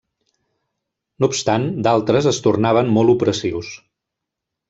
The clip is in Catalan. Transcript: No obstant d'altres es tornaven molt opressius.